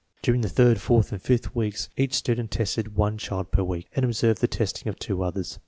During the third, fourth, and fifth weeks each student tested one child per week, and observed the testing of two others.